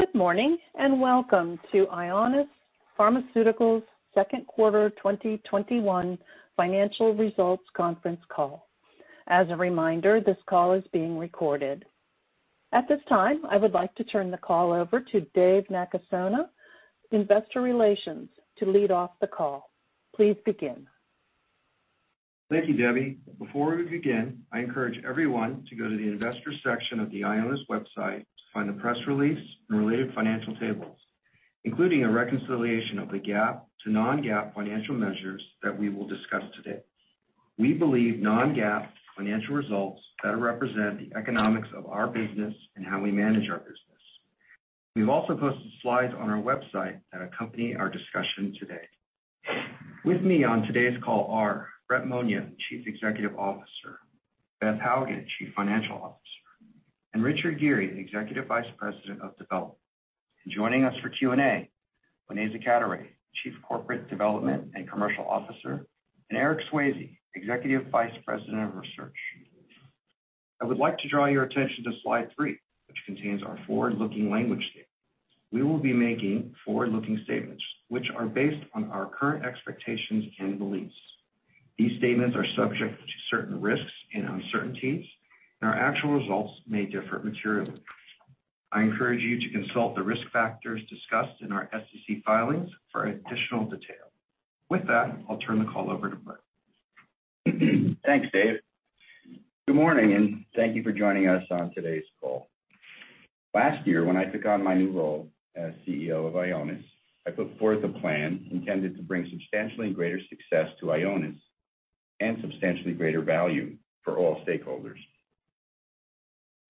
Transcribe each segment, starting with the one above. Good morning. Welcome to Ionis Pharmaceuticals' second quarter 2021 financial results conference call. As a reminder, this call is being recorded. At this time, I would like to turn the call over to David Nakasone, Investor Relations, to lead off the call. Please begin. Thank you, Debbie. Before we begin, I encourage everyone to go to the investors section of the Ionis website to find the press release and related financial tables, including a reconciliation of the GAAP to non-GAAP financial measures that we will discuss today. We believe non-GAAP financial results better represent the economics of our business and how we manage our business. We've also posted slides on our website that accompany our discussion today. With me on today's call are Brett Monia, Chief Executive Officer, Beth Hougen, Chief Financial Officer, and Richard Geary, the Executive Vice President of Development. Joining us for Q&A, Onaiza Cadoret, Chief Corporate Development and Commercial Officer, and Eric Swayze, Executive Vice President of Research. I would like to draw your attention to slide three, which contains our forward-looking language statement. We will be making forward-looking statements which are based on our current expectations and beliefs. These statements are subject to certain risks and uncertainties, and our actual results may differ materially. I encourage you to consult the risk factors discussed in our SEC filings for additional detail. With that, I'll turn the call over to Brett. Thanks, Dave. Good morning, and thank you for joining us on today's call. Last year, when I took on my new role as CEO of Ionis, I put forth a plan intended to bring substantially greater success to Ionis and substantially greater value for all stakeholders.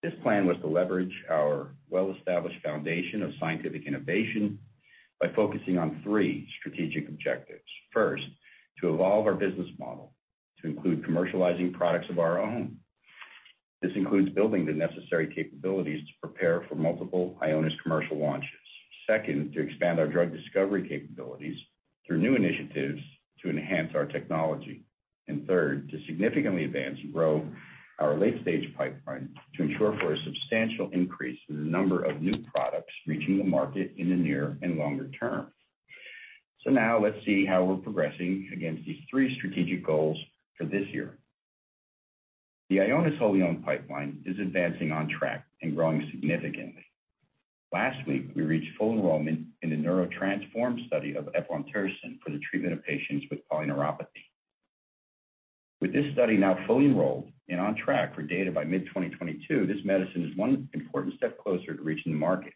This plan was to leverage our well-established foundation of scientific innovation by focusing on three strategic objectives. First, to evolve our business model to include commercializing products of our own. This includes building the necessary capabilities to prepare for multiple Ionis commercial launches. Second, to expand our drug discovery capabilities through new initiatives to enhance our technology. Third, to significantly advance and grow our late-stage pipeline to ensure for a substantial increase in the number of new products reaching the market in the near and longer term. Now let's see how we're progressing against these three strategic goals for this year. The Ionis wholly owned pipeline is advancing on track and growing significantly. Last week, we reached full enrollment in the NEURO-TTRansform study of eplontersen for the treatment of patients with polyneuropathy. With this study now fully enrolled and on track for data by mid 2022, this medicine is one important step closer to reaching the market.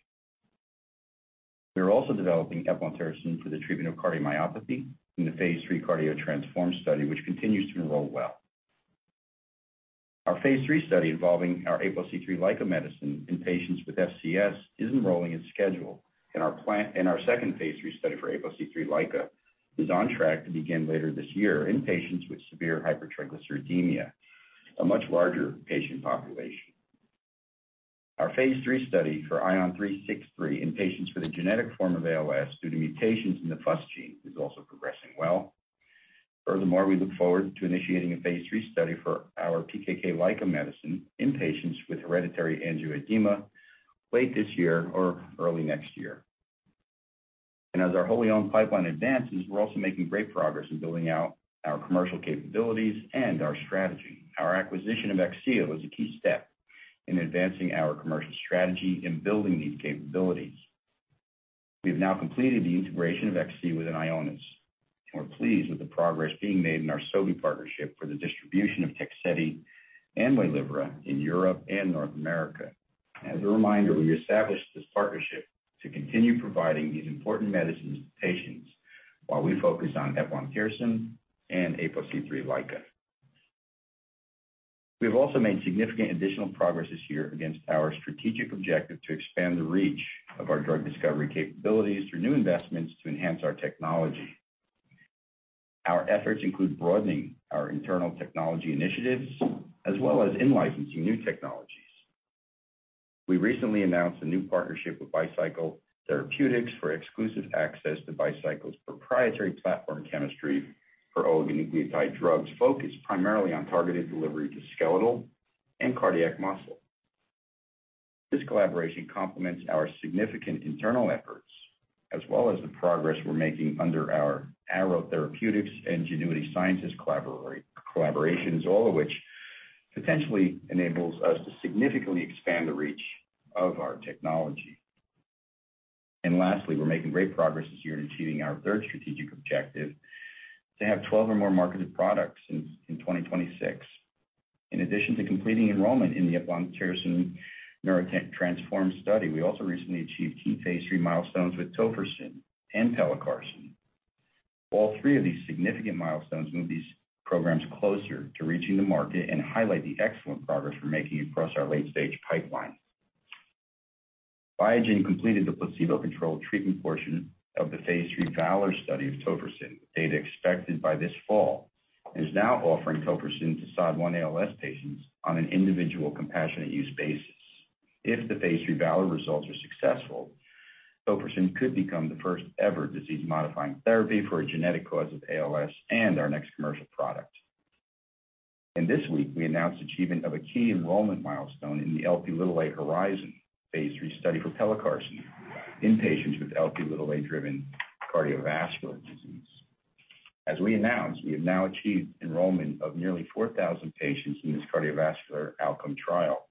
We are also developing eplontersen for the treatment of cardiomyopathy in the phase III CARDIO-TTRansform study, which continues to enroll well. Our phase III study involving our apoC-III LICA medicine in patients with FCS is enrolling as scheduled, and our second phase III study for apoC-III LICA is on track to begin later this year in patients with severe hypertriglyceridemia, a much larger patient population. Our phase III study for ION363 in patients with a genetic form of ALS due to mutations in the FUS gene is also progressing well. Furthermore, we look forward to initiating a phase III study for our PKK LICA medicine in patients with hereditary angioedema late this year or early next year. As our wholly owned pipeline advances, we're also making great progress in building out our commercial capabilities and our strategy. Our acquisition of Akcea was a key step in advancing our commercial strategy in building these capabilities. We've now completed the integration of Akcea within Ionis, and we're pleased with the progress being made in our Sobi partnership for the distribution of TEGSEDI and WAYLIVRA in Europe and North America. As a reminder, we established this partnership to continue providing these important medicines to patients while we focus on eplontersen and apoC-III LICA. We've also made significant additional progress this year against our strategic objective to expand the reach of our drug discovery capabilities through new investments to enhance our technology. Our efforts include broadening our internal technology initiatives as well as in licensing new technologies. We recently announced a new partnership with Bicycle Therapeutics for exclusive access to Bicycle's proprietary platform chemistry for oligonucleotide drugs focused primarily on targeted delivery to skeletal and cardiac muscle. This collaboration complements our significant internal efforts as well as the progress we're making under our Arrowhead Pharmaceuticals and Genuity Science collaborations, all of which potentially enables us to significantly expand the reach of our technology. Lastly, we're making great progress this year in achieving our third strategic objective to have 12 or more marketed products in 2026. In addition to completing enrollment in the eplontersen NEURO-TTRansform study, we also recently achieved key phase III milestones with tofersen and Pelacarsen. All three of these significant milestones move these programs closer to reaching the market and highlight the excellent progress we're making across our late-stage pipeline. Biogen completed the placebo-controlled treatment portion of the phase III VALOR study of tofersen, data expected by this fall, and is now offering tofersen to SOD1 ALS patients on an individual compassionate use basis. If the phase III VALOR results are successful, tofersen could become the first-ever disease-modifying therapy for a genetic cause of ALS and our next commercial product. This week we announced achievement of a key enrollment milestone in the Lp(a)HORIZON phase III study for Pelacarsen in patients with Lp-driven cardiovascular disease. As we announced, we have now achieved enrollment of nearly 4,000 patients in this cardiovascular outcome trial,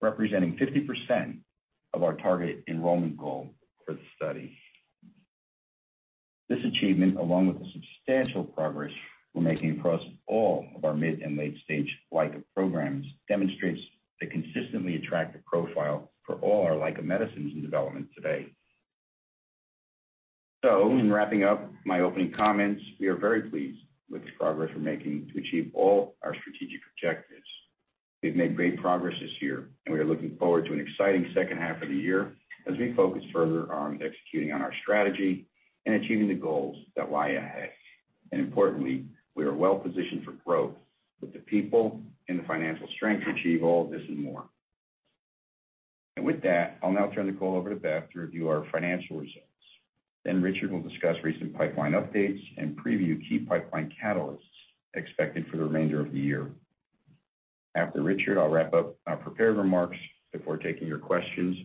representing 50% of our target enrollment goal for the study. This achievement, along with the substantial progress we're making across all of our mid and late-stage LICA programs, demonstrates the consistently attractive profile for all our LICA medicines in development today. In wrapping up my opening comments, we are very pleased with the progress we're making to achieve all our strategic objectives. We've made great progress this year, and we are looking forward to an exciting second half of the year as we focus further on executing on our strategy and achieving the goals that lie ahead. Importantly, we are well-positioned for growth with the people and the financial strength to achieve all this and more. With that, I'll now turn the call over to Beth to review our financial results. Richard will discuss recent pipeline updates and preview key pipeline catalysts expected for the remainder of the year. After Richard, I'll wrap up our prepared remarks before taking your questions.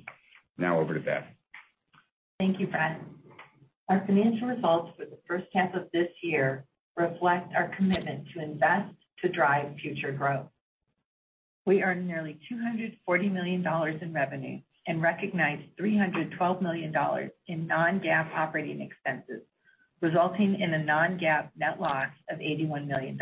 Over to Beth. Thank you, Brett. Our financial results for the first half of this year reflect our commitment to invest to drive future growth. We earned nearly $240 million in revenue and recognized $312 million in non-GAAP operating expenses, resulting in a non-GAAP net loss of $81 million.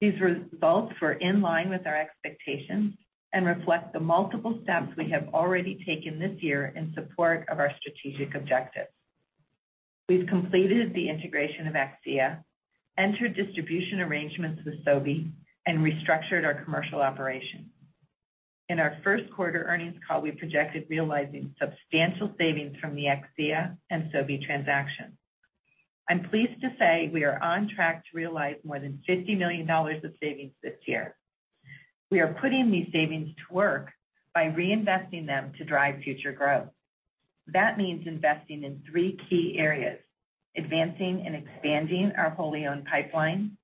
These results were in line with our expectations and reflect the multiple steps we have already taken this year in support of our strategic objectives. We've completed the integration of Akcea, entered distribution arrangements with Sobi, and restructured our commercial operation. In our first quarter earnings call, we projected realizing substantial savings from the Akcea and Sobi transaction. I'm pleased to say we are on track to realize more than $50 million of savings this year. We are putting these savings to work by reinvesting them to drive future growth. That means investing in three key areas: advancing and expanding our wholly owned pipeline,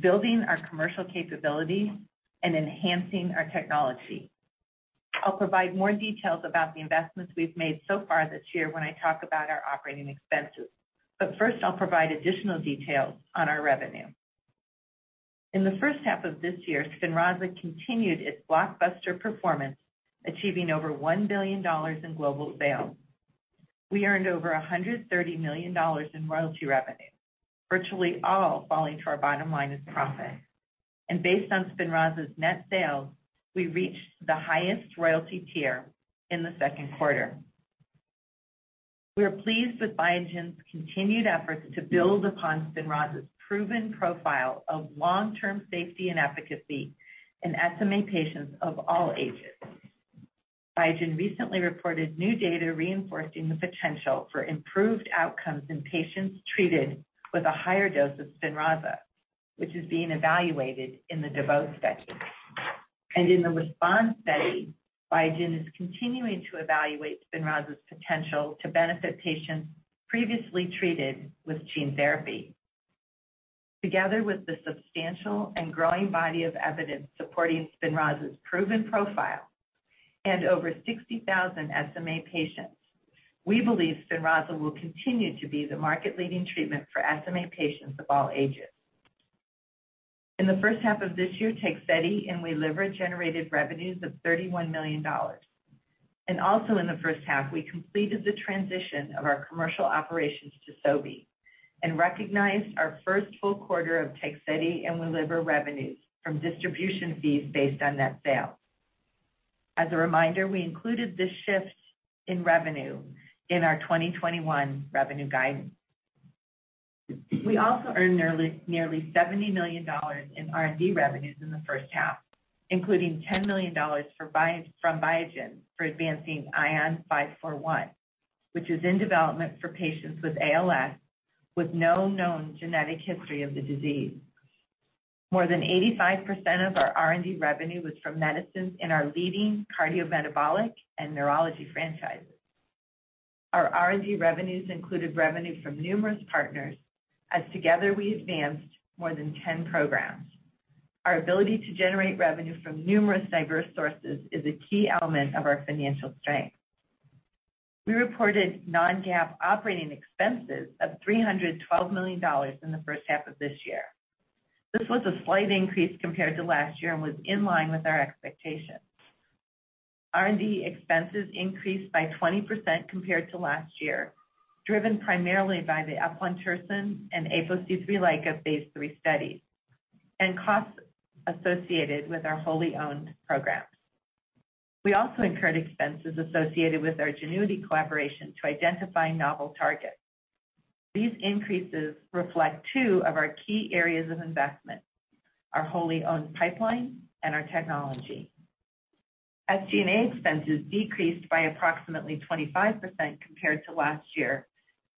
building our commercial capabilities, and enhancing our technology. I'll provide more details about the investments we've made so far this year when I talk about our operating expenses. First, I'll provide additional details on our revenue. In the first half of this year, SPINRAZA continued its blockbuster performance, achieving over $1 billion in global sales. We earned over $130 million in royalty revenue, virtually all falling to our bottom line as profit. Based on SPINRAZA's net sales, we reached the highest royalty tier in the second quarter. We are pleased with Biogen's continued efforts to build upon SPINRAZA's proven profile of long-term safety and efficacy in SMA patients of all ages. Biogen recently reported new data reinforcing the potential for improved outcomes in patients treated with a higher dose of SPINRAZA, which is being evaluated in the DEVOTE study. In the RESPOND study, Biogen is continuing to evaluate SPINRAZA's potential to benefit patients previously treated with gene therapy. Together with the substantial and growing body of evidence supporting SPINRAZA's proven profile and over 60,000 SMA patients, we believe SPINRAZA will continue to be the market-leading treatment for SMA patients of all ages. In the first half of this year, Tegsedi and Waylivra generated revenues of $31 million. Also in the first half, we completed the transition of our commercial operations to Sobi and recognized our first full quarter of Tegsedi and Waylivra revenues from distribution fees based on net sales. As a reminder, we included this shift in revenue in our 2021 revenue guidance. We also earned nearly $70 million in R&D revenues in the first half, including $10 million from Biogen for advancing ION541, which is in development for patients with ALS with no known genetic history of the disease. More than 85% of our R&D revenue was from medicines in our leading cardiometabolic and neurology franchises. Our R&D revenues included revenue from numerous partners, as together we advanced more than 10 programs. Our ability to generate revenue from numerous diverse sources is a key element of our financial strength. We reported non-GAAP operating expenses of $312 million in the first half of this year. This was a slight increase compared to last year and was in line with our expectations. R&D expenses increased by 20% compared to last year, driven primarily by the eplontersen and apoC-III LICA phase III studies and costs associated with our wholly owned programs. We also incurred expenses associated with our Genuity collaboration to identify novel targets. These increases reflect two of our key areas of investment: our wholly owned pipeline and our technology. SG&A expenses decreased by approximately 25% compared to last year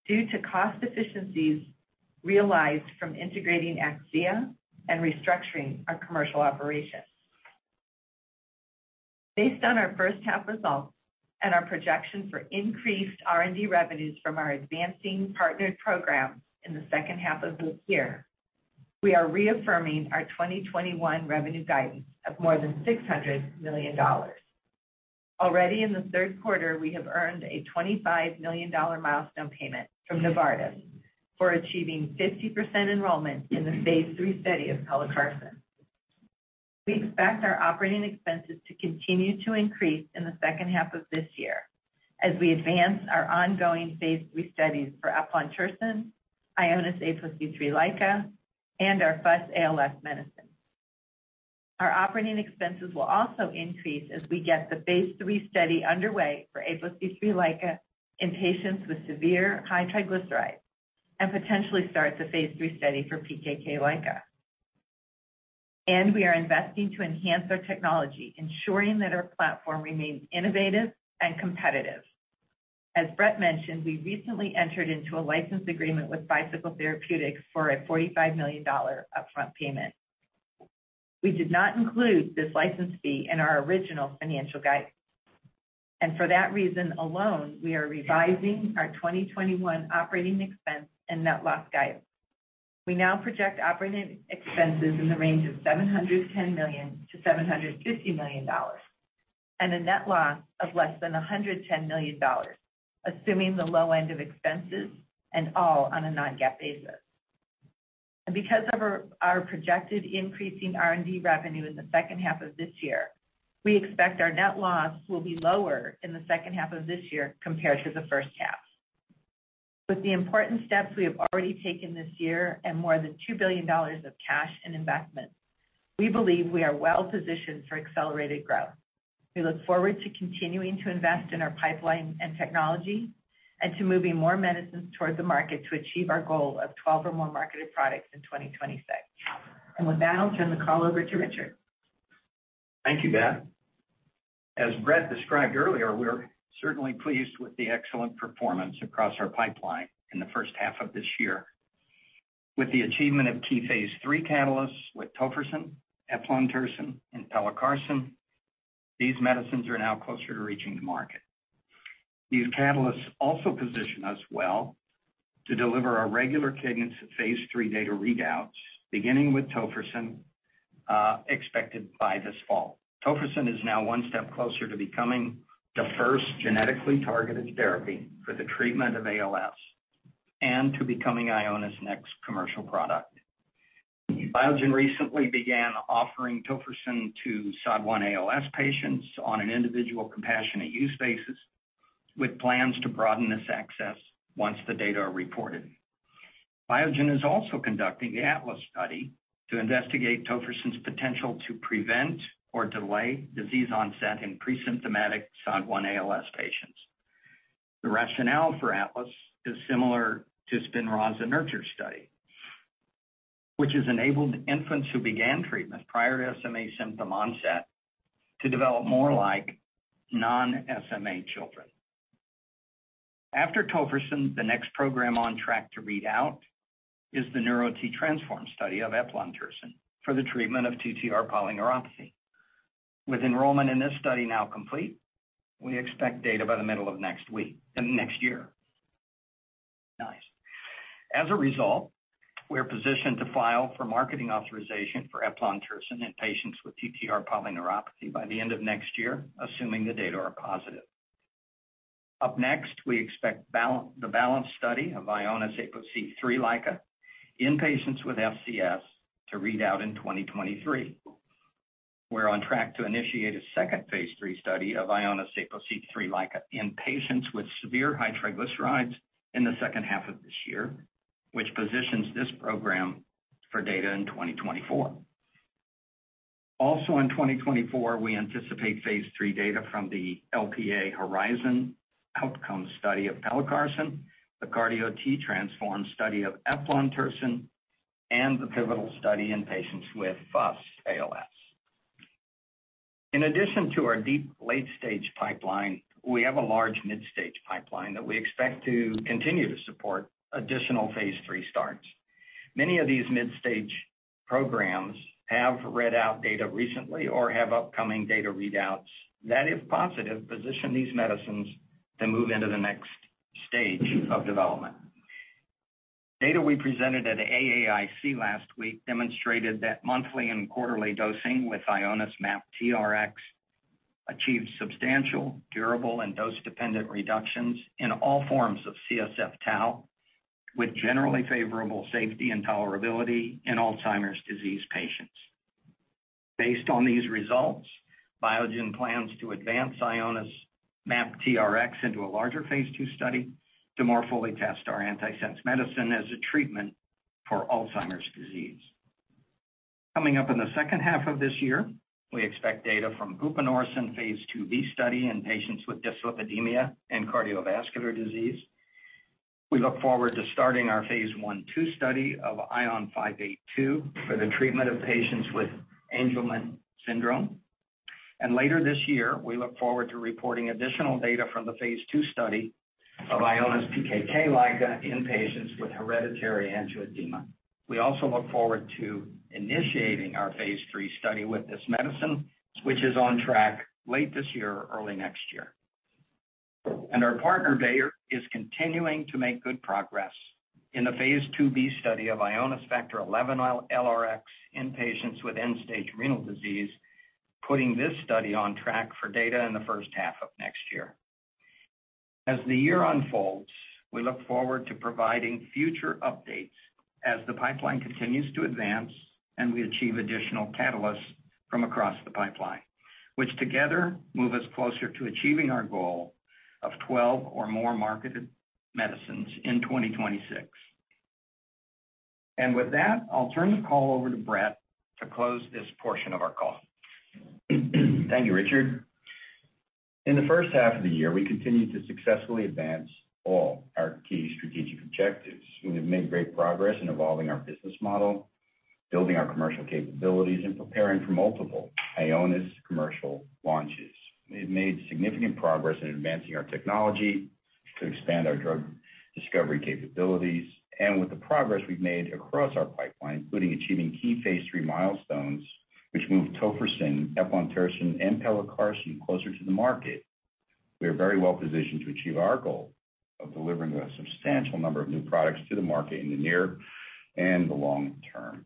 due to cost efficiencies realized from integrating Akcea and restructuring our commercial operations. Based on our first-half results and our projection for increased R&D revenues from our advancing partnered programs in the second half of this year, we are reaffirming our 2021 revenue guidance of more than $600 million. Already in the third quarter, we have earned a $25 million milestone payment from Novartis for achieving 50% enrollment in the phase III study of Pelacarsen. We expect our operating expenses to continue to increase in the second half of this year as we advance our ongoing phase III studies for Eplontersen, Ionis apoC-III LICA, and our ALS medicine. Our operating expenses will also increase as we get the phase III study underway for apoC-III LICA in patients with severe high triglycerides and potentially start the phase III study for PKK LICA. We are investing to enhance our technology, ensuring that our platform remains innovative and competitive. As Brett mentioned, we recently entered into a license agreement with Bicycle Therapeutics for a $45 million upfront payment. We did not include this license fee in our original financial guidance, and for that reason alone, we are revising our 2021 operating expense and net loss guidance. We now project operating expenses in the range of $710 million-$750 million, and a net loss of less than $110 million, assuming the low end of expenses, and all on a non-GAAP basis. Because of our projected increasing R&D revenue in the second half of this year, we expect our net loss will be lower in the second half of this year compared to the first half. With the important steps we have already taken this year and more than $2 billion of cash and investments, we believe we are well-positioned for accelerated growth. We look forward to continuing to invest in our pipeline and technology and to moving more medicines towards the market to achieve our goal of 12 or more marketed products in 2026. With that, I'll turn the call over to Richard. Thank you, Beth. As Brett described earlier, we are certainly pleased with the excellent performance across our pipeline in the first half of this year. With the achievement of key phase III catalysts with tofersen, Eplontersen, and Pelacarsen, these medicines are now closer to reaching the market. These catalysts also position us well to deliver a regular cadence of phase III data readouts, beginning with tofersen, expected by this fall. Tofersen is now one step closer to becoming the first genetically targeted therapy for the treatment of ALS and to becoming Ionis' next commercial product. Biogen recently began offering tofersen to SOD1 ALS patients on an individual compassionate use basis, with plans to broaden this access once the data are reported. Biogen is also conducting the ATLAS study to investigate tofersen's potential to prevent or delay disease onset in presymptomatic SOD1 ALS patients. The rationale for ATLAS is similar to SPINRAZA NURTURE study, which has enabled infants who began treatment prior to SMA symptom onset to develop more like non-SMA children. After tofersen, the next program on track to read out is the NEURO-TTRansform study of Eplontersen for the treatment of TTR polyneuropathy. With enrollment in this study now complete, we expect data by the middle of next year. We are positioned to file for marketing authorization for Eplontersen in patients with TTR polyneuropathy by the end of next year, assuming the data are positive. We expect the BALANCE study of Ionis apoC-III in patients with FCS to read out in 2023. We're on track to initiate a second phase III study of Ionis apoC-III in patients with severe high triglycerides in the second half of this year, which positions this program for data in 2024. In 2024, we anticipate phase III data from the Lp(a)HORIZON outcome study of Pelacarsen, the CARDIO-TTRansform study of Eplontersen, and the pivotal study in patients with FUS ALS. In addition to our deep late-stage pipeline, we have a large mid-stage pipeline that we expect to continue to support additional phase III starts. Many of these mid-stage programs have read out data recently or have upcoming data readouts that, if positive, position these medicines to move into the next stage of development. Data we presented at AAIC last week demonstrated that monthly and quarterly dosing with IONIS-MAPTRx achieved substantial, durable, and dose-dependent reductions in all forms of CSF tau with generally favorable safety and tolerability in Alzheimer's disease patients. Based on these results, Biogen plans to advance IONIS-MAPTRx into a larger phase II study to more fully test our antisense medicine as a treatment for Alzheimer's disease. Coming up in the second half of this year, we expect data from Vupanorsen phase II-B study in patients with dyslipidemia and cardiovascular disease. We look forward to starting our phase I, II study of ION582 for the treatment of patients with Angelman syndrome. Later this year, we look forward to reporting additional data from the phase II study of IONIS-PKK-LICA in patients with hereditary angioedema. We also look forward to initiating our phase III study with this medicine, which is on track late this year or early next year. Our partner, Bayer, is continuing to make good progress in the phase II-B study of IONIS-FXI-LRx in patients with end-stage renal disease, putting this study on track for data in the first half of next year. As the year unfolds, we look forward to providing future updates as the pipeline continues to advance and we achieve additional catalysts from across the pipeline, which together move us closer to achieving our goal of 12 or more marketed medicines in 2026. With that, I'll turn the call over to Brett to close this portion of our call. Thank you, Richard. In the first half of the year, we continued to successfully advance all our key strategic objectives. We have made great progress in evolving our business model, building our commercial capabilities, and preparing for multiple Ionis commercial launches. We've made significant progress in advancing our technology to expand our drug discovery capabilities. With the progress we've made across our pipeline, including achieving key phase III milestones, which moved tofersen, Eplontersen, and Pelacarsen closer to the market, we are very well positioned to achieve our goal of delivering a substantial number of new products to the market in the near and the long term.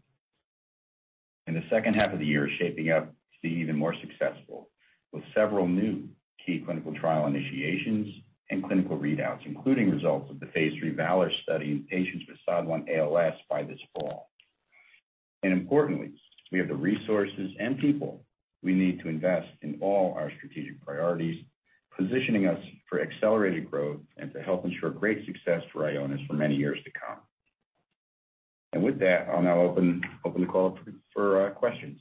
The second half of the year is shaping up to be even more successful with several new key clinical trial initiations and clinical readouts, including results of the phase III VALOR study in patients with SOD1 ALS by this fall. Importantly, we have the resources and people we need to invest in all our strategic priorities, positioning us for accelerated growth and to help ensure great success for Ionis for many years to come. With that, I'll now open the call up for questions.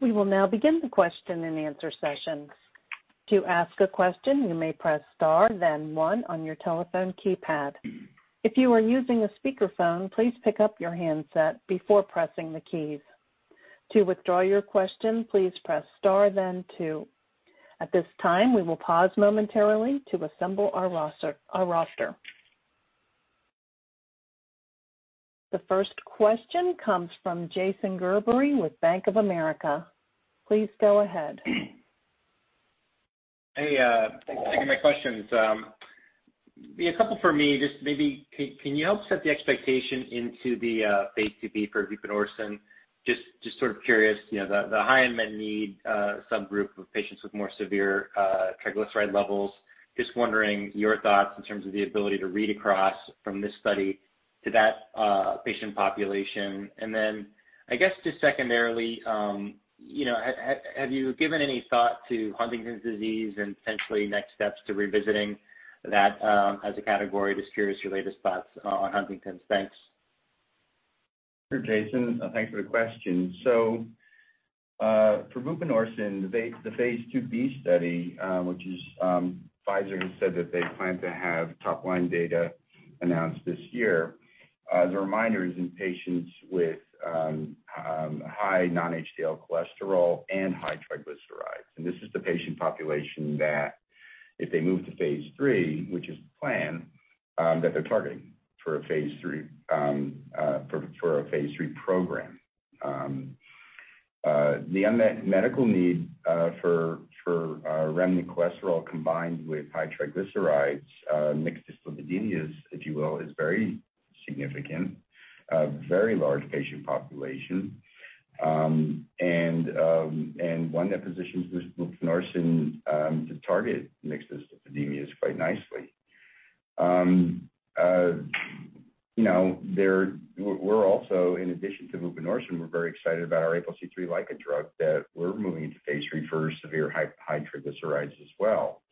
We will now begin the question and answer session. To ask a question, you may press star then one on your telephone keypad. If you are using a speaker phone, please pick up your handset, before pressing the key. To withdraw your question, please press star then two. At this time we will pause momentarily to assemble our roster. The first question comes from Jason Gerberry with Bank of America. Please go ahead. Hey, thanks for taking my questions. A couple for me, just maybe can you help set the expectation into the phase II-B for Vupanorsen? Just curious, the high unmet need subgroup of patients with more severe triglyceride levels. Just wondering your thoughts in terms of the ability to read across from this study to that patient population. I guess just secondarily, have you given any thought to Huntington's disease and potentially next steps to revisiting that as a category? Just curious your latest thoughts on Huntington's. Thanks. Sure, Jason, thanks for the question. For Vupanorsen, the phase II-B study, which Pfizer has said that they plan to have top-line data announced this year. As a reminder, it's in patients with high non-HDL cholesterol and high triglycerides. This is the patient population that if they move to phase III, which is the plan, that they're targeting for a phase III program. The unmet medical need for remnant cholesterol combined with high triglycerides, mixed dyslipidemias, if you will, is very significant. A very large patient population, one that positions this Vupanorsen to target mixed dyslipidemias quite nicely. We're also, in addition to Vupanorsen, we're very excited about our apoC-III drug that we're moving into phase III for severe high triglycerides as well.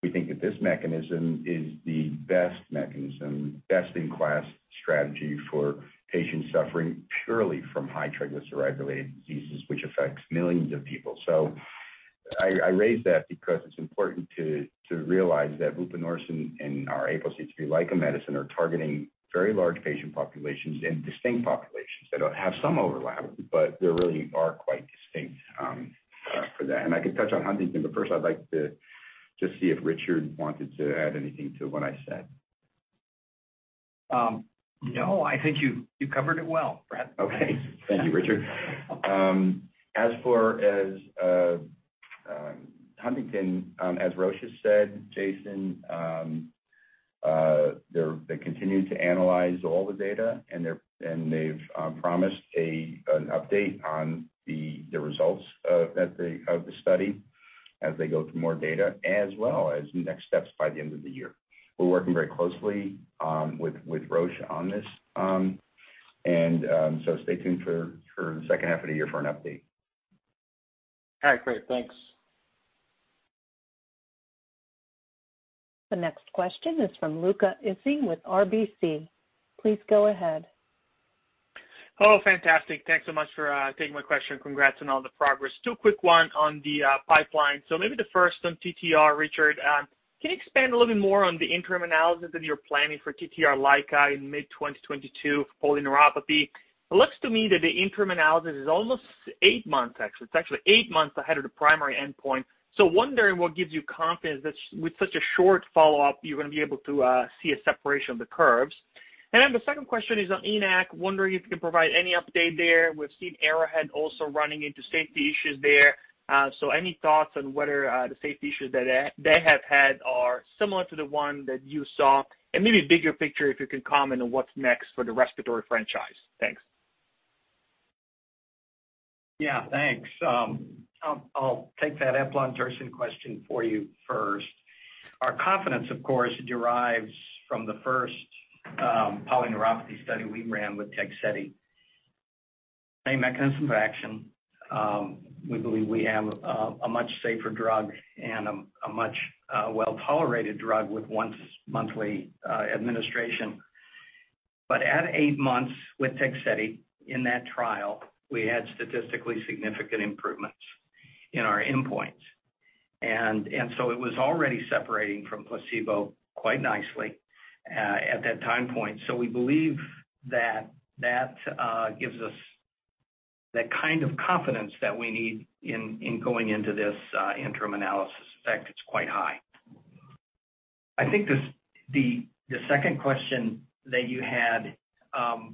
We think that this mechanism is the best mechanism, best-in-class strategy for patients suffering purely from high triglyceride-related diseases, which affects millions of people. I raise that because it's important to realize that Vupanorsen and our apoC-III medicine are targeting very large patient populations and distinct populations that have some overlap, but they really are quite distinct for that. I could touch on Huntington, but first I'd like to see if Richard wanted to add anything to what I said. No, I think you covered it well, Brett. Okay. Thank you, Richard. As for Huntington, as Richard has said, Jason, they continue to analyze all the data, and they've promised an update on the results of the study as they go through more data, as well as next steps by the end of the year. We're working very closely with Roche on this, and so stay tuned for the second half of the year for an update. All right, great. Thanks. The next question is from Luca Issi with RBC. Please go ahead. Hello. Fantastic. Thanks so much for taking my question. Congrats on all the progress. Two quick one on the pipeline. Maybe the first on TTR, Richard. Can you expand a little bit more on the interim analysis that you're planning for TTR LICA in mid-2022 for polyneuropathy? It looks to me that the interim analysis is almost eight months, actually. It's actually eight months ahead of the primary endpoint. Wondering what gives you confidence that with such a short follow-up, you're going to be able to see a separation of the curves. The second question is on ENaC. Wondering if you can provide any update there. We've seen Arrowhead also running into safety issues there. Any thoughts on whether the safety issues that they have had are similar to the one that you saw and maybe bigger picture, if you can comment on what's next for the respiratory franchise? Thanks. Yeah. Thanks. I'll take that Eplontersen question for you first. Our confidence, of course, derives from the first polyneuropathy study we ran with TEGSEDI. Same mechanism of action. We believe we have a much safer drug and a much well-tolerated drug with once monthly administration. At eight months with TEGSEDI in that trial, we had statistically significant improvements in our endpoints. It was already separating from placebo quite nicely at that time point. We believe that gives us the kind of confidence that we need in going into this interim analysis. In fact, it's quite high. I think the second question that you had, I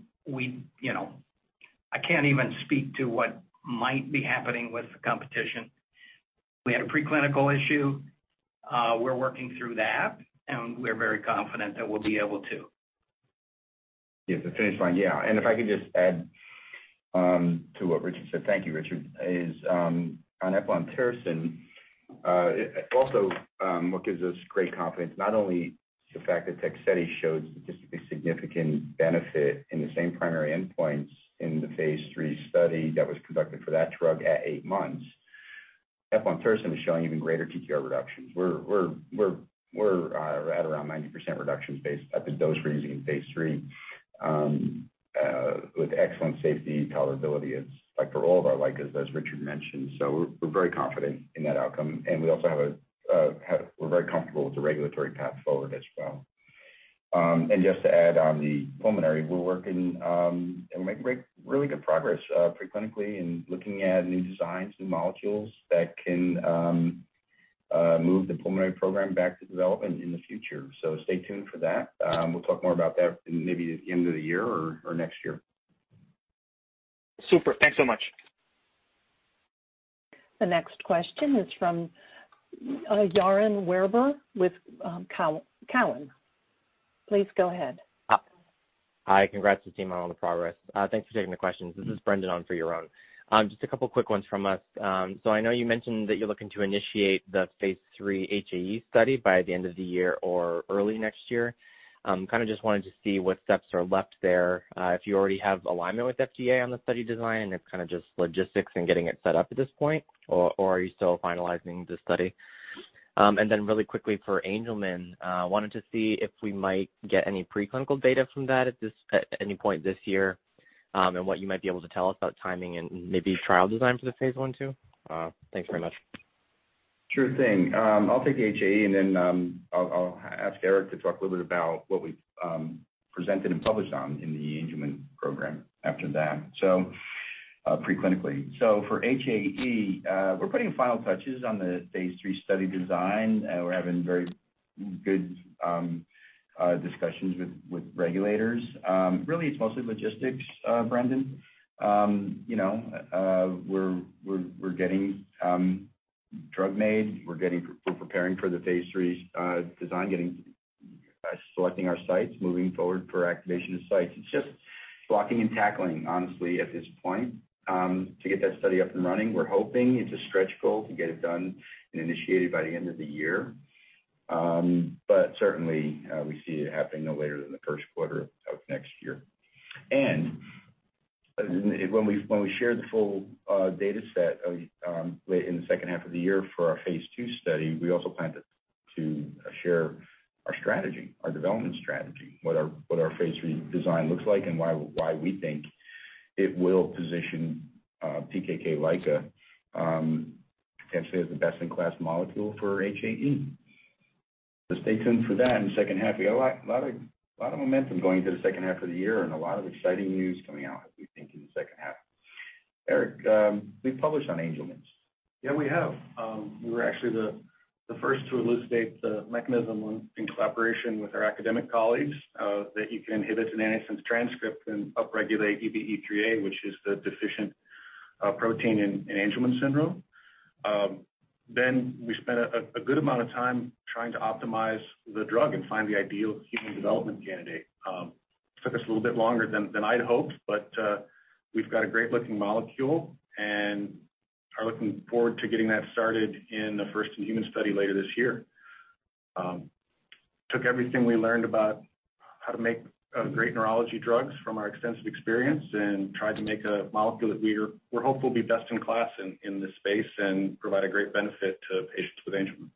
can't even speak to what might be happening with the competition. We had a preclinical issue. We're working through that, and we're very confident that we'll be able to. Yeah. The finish line. Yeah. If I could just add to what Richard said. Thank you, Richard. Is on Eplontersen, also what gives us great confidence, not only the fact that TEGSEDI showed statistically significant benefit in the same primary endpoints in the phase III study that was conducted for that drug at eight months. Eplontersen is showing even greater TTR reductions. We're at around 90% reductions based at the dose we're using in phase III with excellent safety tolerability. It's like for all of our LICAs, as Richard mentioned. We're very confident in that outcome, and we're very comfortable with the regulatory path forward as well. Just to add on the pulmonary, we're working and making really good progress pre-clinically and looking at new designs, new molecules that can move the pulmonary program back to development in the future. Stay tuned for that. We'll talk more about that maybe at the end of the year or next year. Super. Thanks so much. The next question is from Yaron Werber with Cowen. Please go ahead. Hi. Congrats to the team on all the progress. Thanks for taking the questions. This is Brendan on for Yaron. Just a couple of quick ones from us. I know you mentioned that you're looking to initiate the phase III HAE study by the end of the year or early next year. Just wanted to see what steps are left there if you already have alignment with FDA on the study design, and it's just logistics and getting it set up at this point, or are you still finalizing the study? Really quickly for Angelman, wanted to see if we might get any preclinical data from that at any point this year. What you might be able to tell us about timing and maybe trial design for the phase I, II. Thanks very much. Sure thing. I'll take the HAE, then I'll ask Eric to talk a little bit about what we've presented and published on in the Angelman program after that preclinically. For HAE, we're putting final touches on the phase III study design. We're having very good discussions with regulators. Really, it's mostly logistics, Brendan. We're getting drug made. We're preparing for the phase III design, selecting our sites, moving forward for activation of sites. It's just blocking and tackling, honestly, at this point to get that study up and running. We're hoping it's a stretch goal to get it done and initiated by the end of the year. Certainly, we see it happening no later than the first quarter of next year. When we share the full data set in the second half of the year for our phase II study, we also plan to share our strategy, our development strategy, what our phase redesign looks like, and why we think it will position PKK LICA potentially as the best-in-class molecule for HAE. Stay tuned for that in the second half. We got a lot of momentum going into the second half of the year and a lot of exciting news coming out as we think in the second half. Eric, we've published on Angelman's. Yeah, we have. We were actually the first to elucidate the mechanism in collaboration with our academic colleagues that you can inhibit an antisense transcript and upregulate UBE3A, which is the deficient protein in Angelman syndrome. We spent a good amount of time trying to optimize the drug and find the ideal human development candidate. Took us a little bit longer than I'd hoped, but we've got a great-looking molecule and are looking forward to getting that started in the first human study later this year. Took everything we learned about how to make great neurology drugs from our extensive experience and tried to make a molecule that we hope will be best in class in this space and provide a great benefit to patients with Angelman.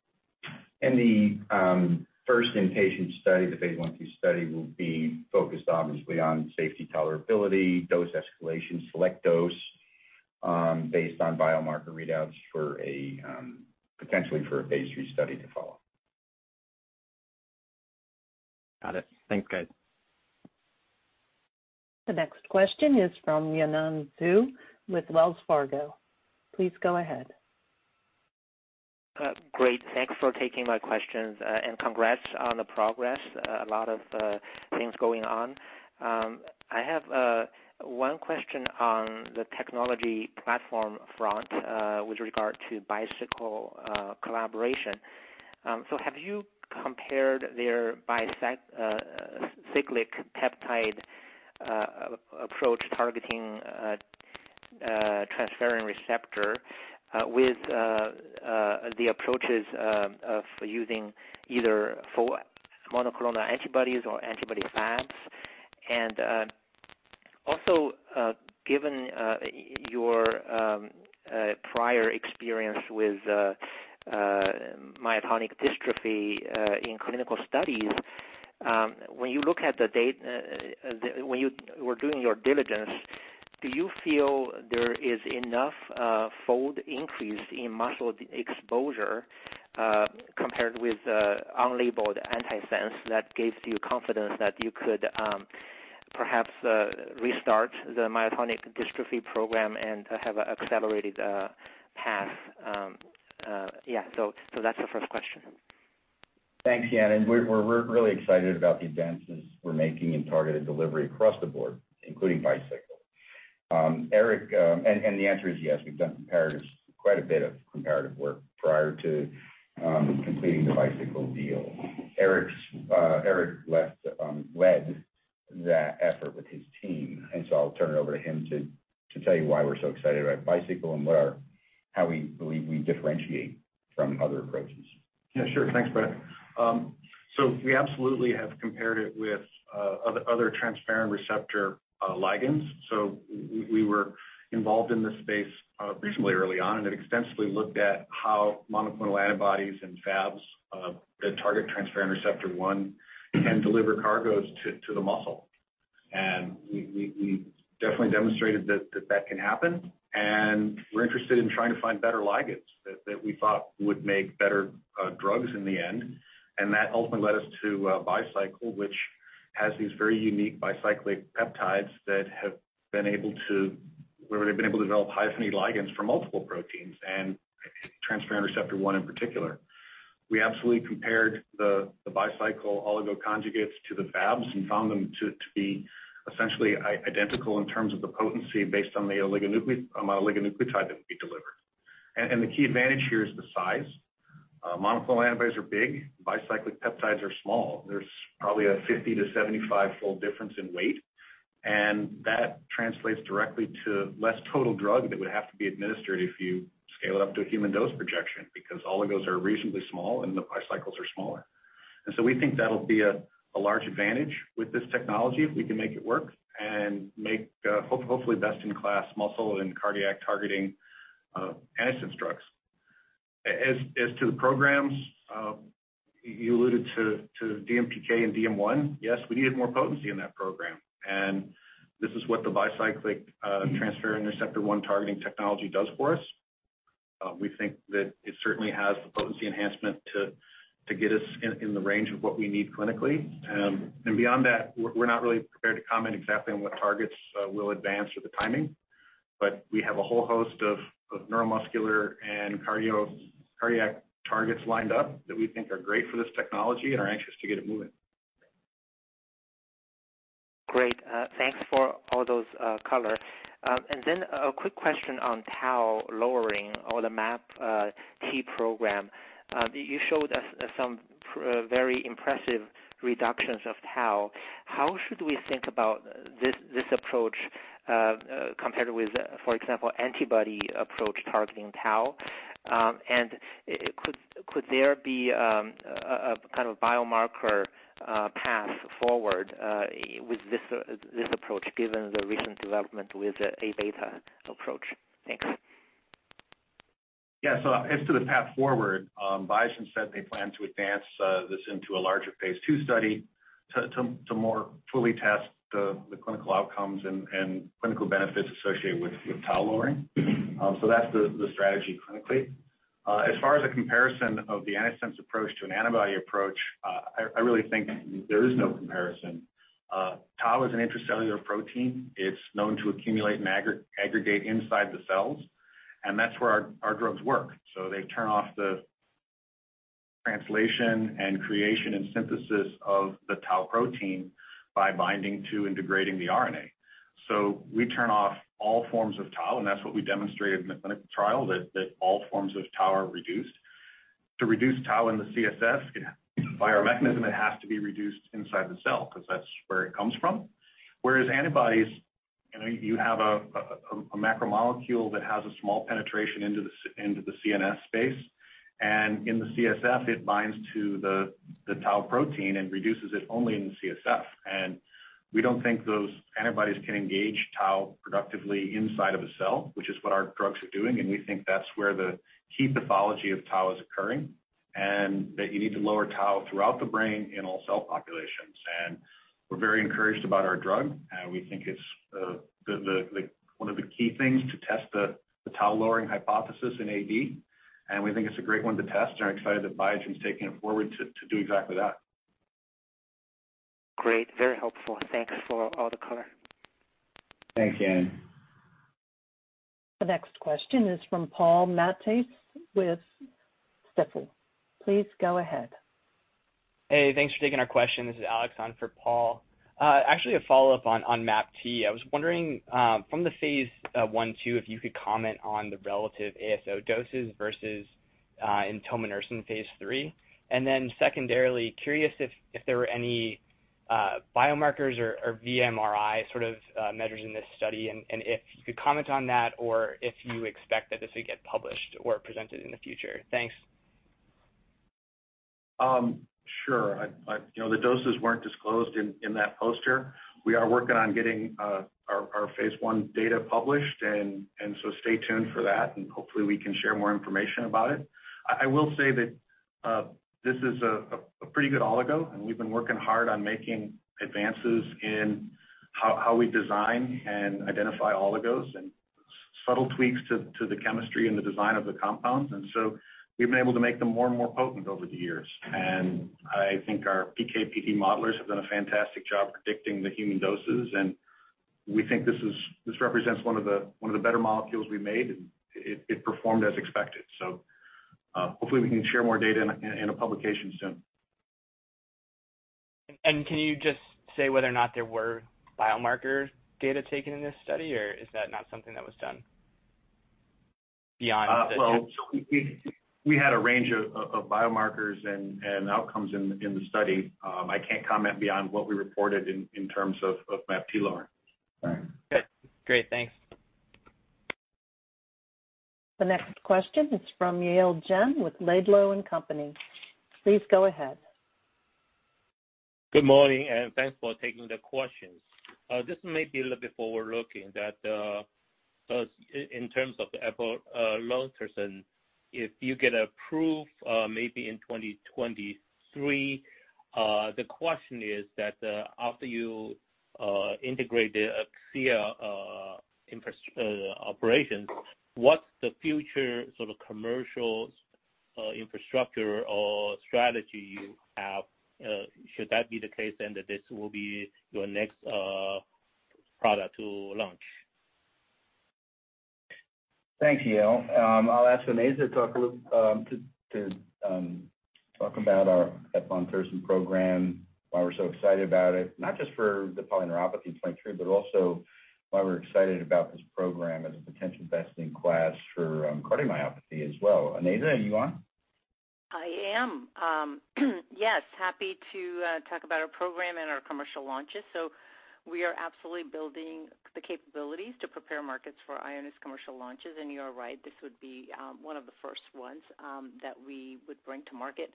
The first in-patient study, the phase I, II study, will be focused obviously on safety tolerability, dose escalation, select dose based on biomarker readouts potentially for a phase III study to follow. Got it. Thanks, guys. The next question is from Yanan Zhu with Wells Fargo. Please go ahead. Great. Thanks for taking my questions. Congrats on the progress. A lot of things going on. I have one question on the technology platform front with regard to Bicycle collaboration. Have you compared their bicyclic peptide approach targeting transferrin receptor with the approaches of using either monoclonal antibodies or antibody Fabs? Also, given your prior experience with myotonic dystrophy in clinical studies, when you were doing your diligence, do you feel there is enough fold increase in muscle exposure compared with unlabeled antisense that gives you confidence that you could perhaps restart the myotonic dystrophy program and have an accelerated path? That's the first question. Thanks, Yanan. We're really excited about the advances we're making in targeted delivery across the board, including Bicycle. The answer is yes, we've done quite a bit of comparative work prior to completing the Bicycle deal. Eric led that effort with his team, I'll turn it over to him to tell you why we're so excited about Bicycle and how we believe we differentiate from other approaches. Yeah, sure. Thanks, Brett. We absolutely have compared it with other transferrin receptor ligands. We were involved in this space reasonably early on and had extensively looked at how monoclonal antibodies and Fabs that target transferrin receptor 1 can deliver cargos to the muscle. We definitely demonstrated that that can happen, and we're interested in trying to find better ligands that we thought would make better drugs in the end. That ultimately led us to Bicycle, which has these very unique bicyclic peptides where they've been able to develop high affinity ligands for multiple proteins, and transferrin receptor 1 in particular. We absolutely compared the Bicycle oligo conjugates to the Fabs and found them to be essentially identical in terms of the potency based on the oligonucleotide that we deliver. The key advantage here is the size. Monoclonal antibodies are big. Bicyclic peptides are small. There's probably a 50-75 fold difference in weight, and that translates directly to less total drug that would have to be administered if you scale it up to a human dose projection because oligos are reasonably small and the bicyclics are smaller. We think that'll be a large advantage with this technology if we can make it work and make hopefully best-in-class muscle and cardiac-targeting antisense drugs. As to the programs, you alluded to DMPK and DM1. Yes, we needed more potency in that program, and this is what the bicyclic transferrin receptor 1 targeting technology does for us. We think that it certainly has the potency enhancement to get us in the range of what we need clinically. Beyond that, we're not really prepared to comment exactly on what targets we'll advance or the timing. We have a whole host of neuromuscular and cardiac targets lined up that we think are great for this technology and are anxious to get it moving. Great. Thanks for all those color. A quick question on tau lowering or the MAPT program. You showed us some very impressive reductions of tau. How should we think about this approach compared with, for example, antibody approach targeting tau? Could there be a kind of biomarker path forward with this approach, given the recent development with A beta approach? Thanks. As to the path forward, Biogen said they plan to advance this into a larger phase II study to more fully test the clinical outcomes and clinical benefits associated with tau lowering. That's the strategy clinically. As far as a comparison of the antisense approach to an antibody approach, I really think there is no comparison. Tau is an intracellular protein. It's known to accumulate and aggregate inside the cells, and that's where our drugs work. They turn off the translation and creation and synthesis of the tau protein by binding to and degrading the RNA. We turn off all forms of tau, and that's what we demonstrated in the clinical trial, that all forms of tau are reduced. To reduce tau in the CSF, by our mechanism, it has to be reduced inside the cell because that's where it comes from. Whereas antibodies, you have a macromolecule that has a small penetration into the CNS space, and in the CSF, it binds to the tau protein and reduces it only in the CSF. We don't think those antibodies can engage tau productively inside of a cell, which is what our drugs are doing, and we think that's where the key pathology of tau is occurring. That you need to lower tau throughout the brain in all cell populations. We're very encouraged about our drug. We think it's one of the key things to test the tau-lowering hypothesis in AD, and we think it's a great one to test, and are excited that Biogen's taking it forward to do exactly that. Great. Very helpful. Thanks for all the color. Thanks, Yanan. The next question is from Paul Matteis with Stifel. Please go ahead. Hey, thanks for taking our question. This is Alex on for Paul. Actually, a follow-up on MAPT. I was wondering, from the phase I, II, if you could comment on the relative ASO doses versus inotersen phase III. Secondarily, curious if there were any biomarkers or vMRI sort of measures in this study, and if you could comment on that, or if you expect that this will get published or presented in the future. Thanks. Sure. The doses weren't disclosed in that poster. We are working on getting our phase I data published, and so stay tuned for that, and hopefully we can share more information about it. I will say that this is a pretty good oligo, and we've been working hard on making advances in how we design and identify oligos and subtle tweaks to the chemistry and the design of the compounds. We've been able to make them more and more potent over the years. I think our PK, PD modelers have done a fantastic job predicting the human doses, and we think this represents one of the better molecules we've made, and it performed as expected. Hopefully we can share more data in a publication soon. Can you just say whether or not there were biomarker data taken in this study, or is that not something that was done? Well, we had a range of biomarkers and outcomes in the study. I can't comment beyond what we reported in terms of MAPTR lowering. Okay, great. Thanks. The next question is from Yale Jen with Laidlaw & Company. Please go ahead. Good morning, thanks for taking the questions. This may be a little bit forward-looking that, in terms of Eplontersen, if you get approved maybe in 2023. The question is that after you integrate the Akcea operations, what's the future sort of commercial infrastructure or strategy you have should that be the case then that this will be your next product to launch? Thanks, Yale. I'll ask Onaiza to talk about our Eplontersen program, why we're so excited about it, not just for the polyneuropathy 2.3, but also why we're excited about this program as a potential best-in-class for cardiomyopathy as well. Onaiza, are you on? I am. Yes, happy to talk about our program and our commercial launches. We are absolutely building the capabilities to prepare markets for Ionis commercial launches. You are right, this would be one of the first ones that we would bring to market.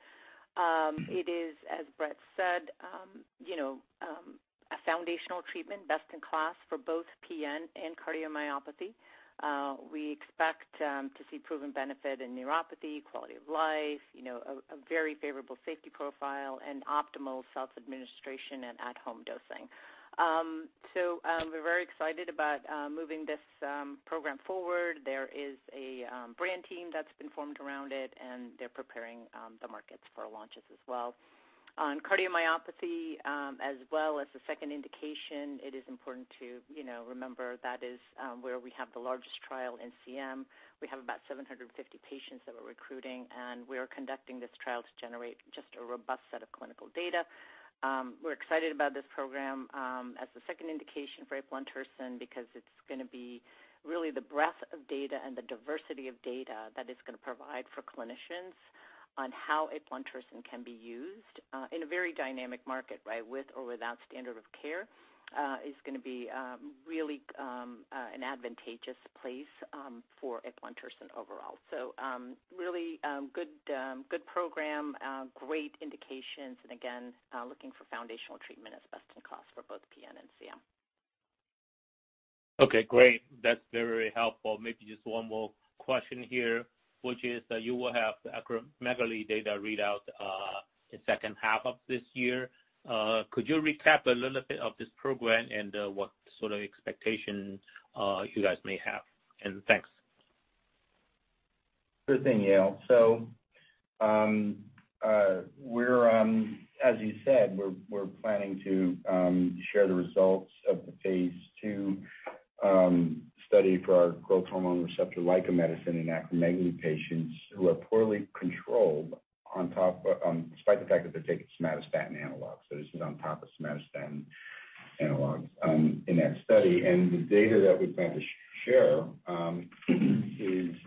It is, as Brett said, a foundational treatment, best in class for both PN and cardiomyopathy. We expect to see proven benefit in neuropathy, quality of life, a very favorable safety profile, and optimal self-administration and at-home dosing. We're very excited about moving this program forward. There is a brand team that's been formed around it, and they're preparing the markets for launches as well. On cardiomyopathy as well as the second indication, it is important to remember that is where we have the largest trial in CM. We have about 750 patients that we're recruiting, and we are conducting this trial to generate just a robust set of clinical data. We're excited about this program as the second indication for Eplontersen because it's going to be really the breadth of data and the diversity of data that it's going to provide for clinicians on how Eplontersen can be used in a very dynamic market, with or without standard of care. It's going to be really an advantageous place for Eplontersen overall. Really good program, great indications, and again, looking for foundational treatment as best in class for both PN and CM. Okay, great. That's very helpful. Maybe just one more question here, which is that you will have the acromegaly data readout in second half of this year. Could you recap a little bit of this program and what sort of expectation you guys may have? Thanks. Sure thing, Yale. As you said, we're planning to share the results of the phase II study for our growth hormone receptor LICA medicine in acromegaly patients who are poorly controlled despite the fact that they're taking somatostatin analog. This is on top of somatostatin analog in that study. The data that we plan to share in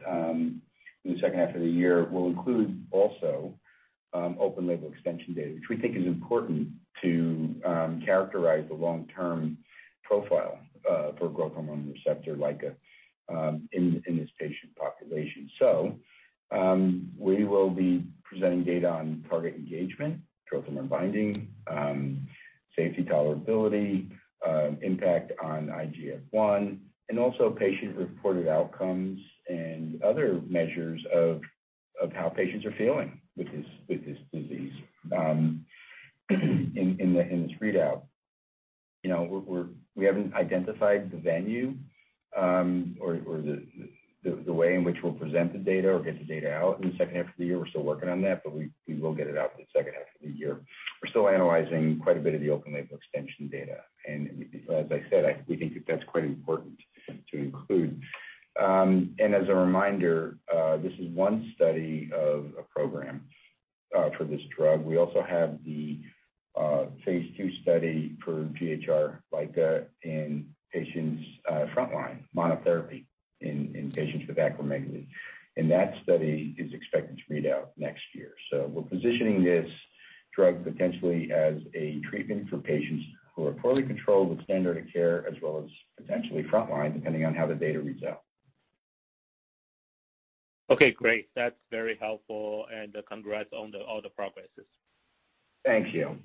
the second half of the year will include also open label extension data, which we think is important to characterize the long-term profile for growth hormone receptor LICA in this patient population. We will be presenting data on target engagement, transthyretin binding, safety tolerability, impact on IGF-1, and also patient-reported outcomes and other measures of how patients are feeling with this disease in this readout. We haven't identified the venue or the way in which we'll present the data or get the data out in the second half of the year. We're still working on that, but we will get it out in the second half of the year. We're still analyzing quite a bit of the open-label extension data. As I said, we think that that's quite important to include. As a reminder, this is one study of a program for this drug. We also have the phase II study for GHR LICA in patients frontline monotherapy in patients with acromegaly. That study is expected to read out next year. We're positioning this drug potentially as a treatment for patients who are poorly controlled with standard of care, as well as potentially frontline, depending on how the data reads out. Okay, great. That's very helpful, and congrats on all the progresses. Thank you.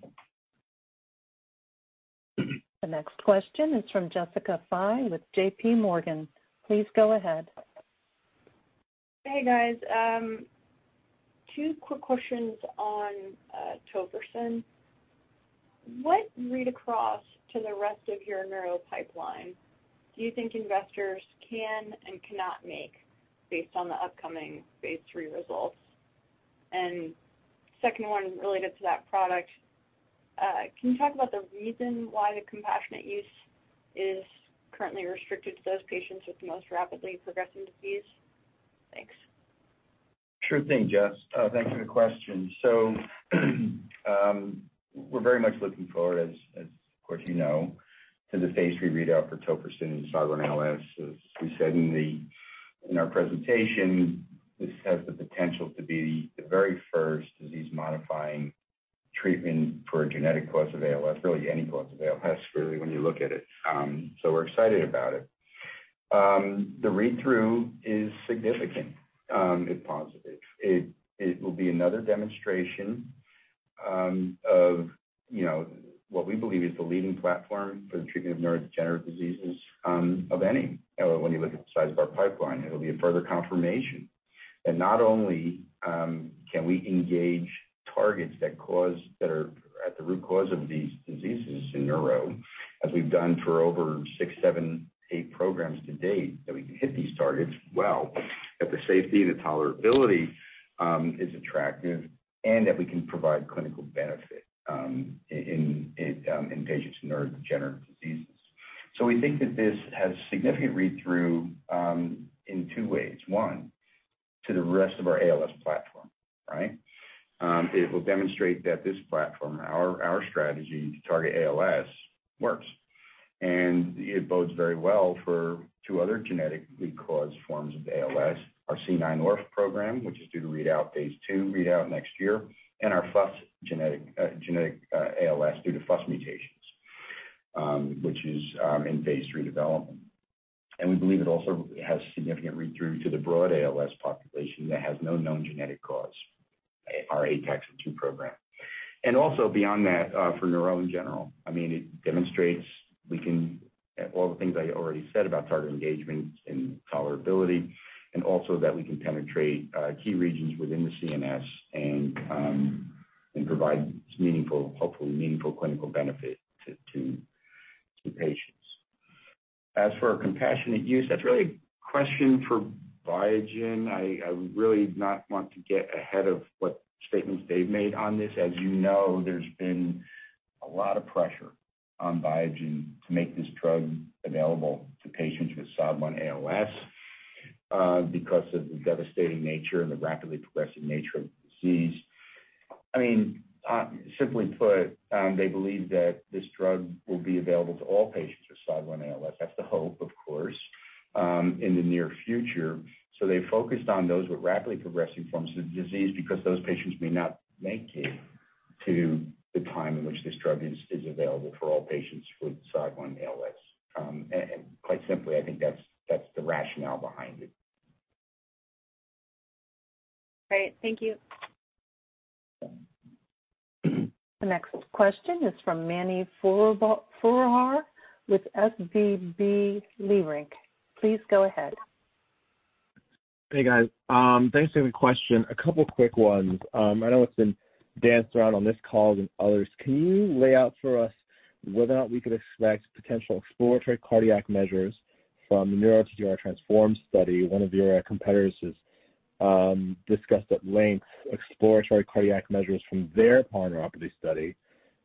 The next question is from Jessica Fye with JPMorgan. Please go ahead. Hey, guys. Two quick questions on tofersen. What read-across to the rest of your neuro pipeline do you think investors can and cannot make based on the upcoming phase III results? Second one related to that product, can you talk about the reason why the compassionate use is currently restricted to those patients with the most rapidly progressing disease? Thanks. Sure thing, Jess. Thanks for the question. We're very much looking forward, as of course you know, to the phase III readout for tofersen in SOD1 ALS. As we said in our presentation, this has the potential to be the very first disease-modifying treatment for a genetic cause of ALS, really any cause of ALS, really, when you look at it. We're excited about it. The read-through is significant if positive. It will be another demonstration of what we believe is the leading platform for the treatment of neurodegenerative diseases of any, when you look at the size of our pipeline. It'll be a further confirmation that not only can we engage targets that are at the root cause of these diseases in neuro, as we've done for over six, seven, eight programs to date, that we can hit these targets well, that the safety, the tolerability is attractive, and that we can provide clinical benefit in patients with neurodegenerative diseases. We think that this has significant read-through in two ways. One, to the rest of our ALS platform, right? It will demonstrate that this platform, our strategy to target ALS, works. It bodes very well for two other genetically caused forms of ALS, our C9orf program, which is due to read out phase II readout next year, and our FUS genetic ALS due to FUS mutations, which is in phase III development. We believe it also has significant read-through to the broad ALS population that has no known genetic cause, our Ataxin-2 program. Also beyond that, for neuro in general, it demonstrates all the things I already said about target engagement and tolerability, and also that we can penetrate key regions within the CNS and provide meaningful, hopefully meaningful clinical benefit to patients. As for compassionate use, that's really a question for Biogen. I really not want to get ahead of what statements they've made on this. As you know, there's been a lot of pressure on Biogen to make this drug available to patients with SOD1 ALS because of the devastating nature and the rapidly progressing nature of the disease. Simply put, they believe that this drug will be available to all patients with SOD1 ALS, that's the hope, of course, in the near future. They focused on those with rapidly progressing forms of the disease because those patients may not make it to the time in which this drug is available for all patients with SOD1 ALS. Quite simply, I think that's the rationale behind it. Great. Thank you. Yeah. The next question is from Mani Foroohar with SVB Leerink. Please go ahead. Hey, guys. Thanks for the question. A couple quick ones. I know it's been danced around on this call and others. Can you lay out for us whether or not we could expect potential exploratory cardiac measures from the NEURO-TTRansform study? One of your competitors has discussed at length exploratory cardiac measures from their polyneuropathy study.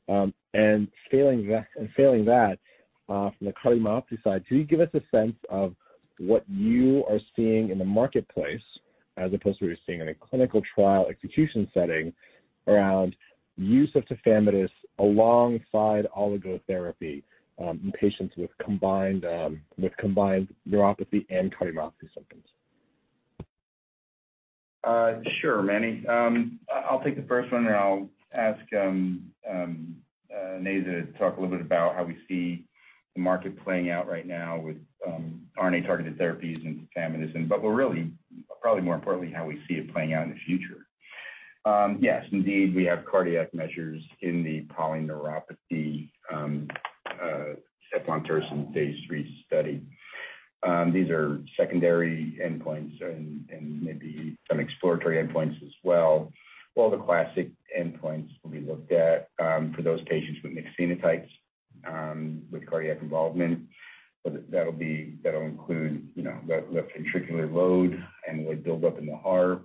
Failing that, from the cardiomyopathy side, can you give us a sense of what you are seeing in the marketplace as opposed to what you're seeing in a clinical trial execution setting around use of tafamidis alongside oligotherapy in patients with combined neuropathy and cardiomyopathy symptoms? Sure, Mani. I'll take the first one, and I'll ask Onaiza to talk a little bit about how we see the market playing out right now with RNA-targeted therapies and tafamidis, really, probably more importantly, how we see it playing out in the future. Yes, indeed, we have cardiac measures in the polyneuropathy-eplontersen phase III study. These are secondary endpoints and maybe some exploratory endpoints as well. All the classic endpoints will be looked at for those patients with mixed phenotypes with cardiac involvement. That'll include the ventricular load and what build up in the heart,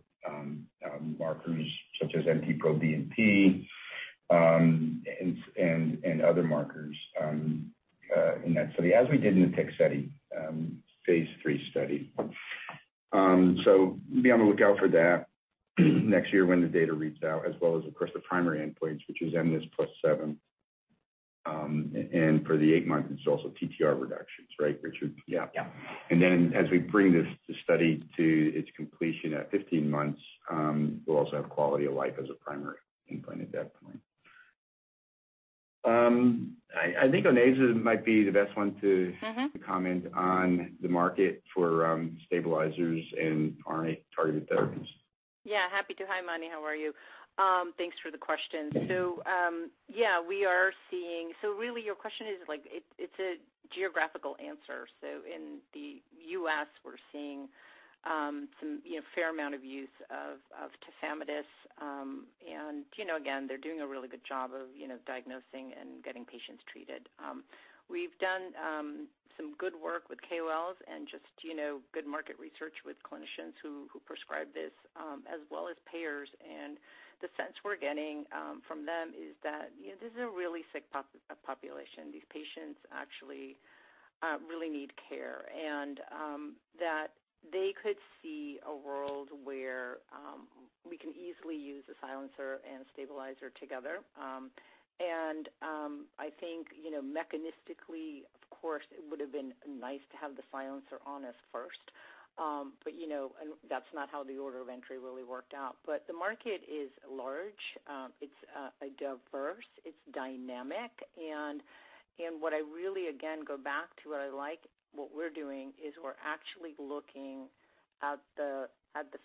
markers such as NT-proBNP, and other markers in that study, as we did in the TEGSEDI study, phase III study. Be on the lookout for that next year when the data reads out, as well as, of course, the primary endpoints, which is mNIS+7. For the eight months, it's also TTR reductions, right, Richard? Yeah. Yeah. Then as we bring this study to its completion at 15 months, we'll also have quality of life as a primary endpoint at that point. I think Onaiza might be the best one. Comment on the market for stabilizers and RNA-targeted therapies. Yeah, happy to. Hi, Mani, how are you? Thanks for the question. Really your question is like, it's a geographical answer. In the U.S., we're seeing some fair amount of use of tafamidis. Again, they're doing a really good job of diagnosing and getting patients treated. We've done some good work with KOLs and just good market research with clinicians who prescribe this, as well as payers. The sense we're getting from them is that this is a really sick population. These patients actually really need care, and that they could see a world where we can easily use a silencer and stabilizer together. I think, mechanistically, of course, it would've been nice to have the silencer on us first. That's not how the order of entry really worked out. The market is large. It's diverse, it's dynamic, and what I really, again, go back to what I like, what we're doing, is we're actually looking at the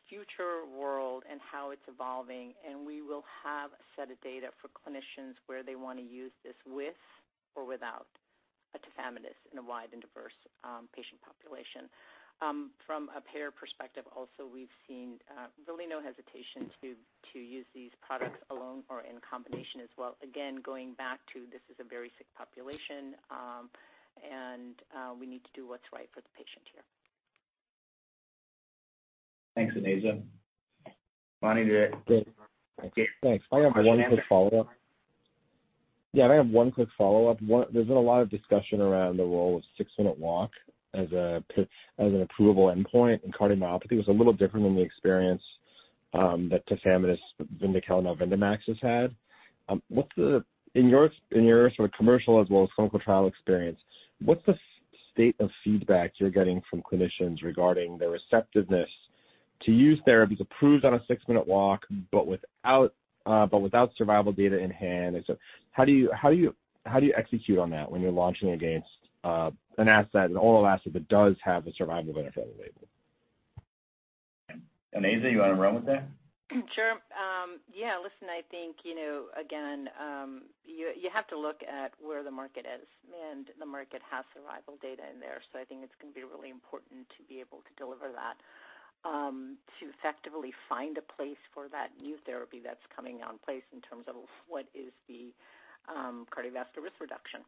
future world and how it's evolving, and we will have a set of data for clinicians where they want to use this with or without a tafamidis in a wide and diverse patient population. From a payer perspective, also, we've seen really no hesitation to use these products alone or in combination as well. Again, going back to this is a very sick population, and we need to do what's right for the patient here. Thanks, Onaiza. Mani, do you have- Great. Thanks. Okay. Thanks. Yeah, I have one quick follow-up. There's been a lot of discussion around the role of six-minute walk as an approvable endpoint in cardiomyopathy. It's a little different than the experience that tafamidis, VYNDAMAX has had. In your sort of commercial as well as clinical trial experience, what's the state of feedback you're getting from clinicians regarding the receptiveness to use therapies approved on a six-minute walk, but without survival data in hand? How do you execute on that when you're launching against an oral asset that does have a survival benefit on the label? Onaiza, you want to run with that? Sure. Yeah, listen, I think, again, you have to look at where the market is, and the market has survival data in there. I think it's going to be really important to be able to deliver that, to effectively find a place for that new therapy that's coming on place in terms of what is the cardiovascular risk reduction.